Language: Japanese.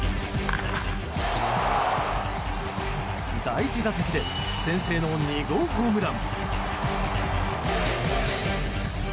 第１打席で先制の２号ホームラン。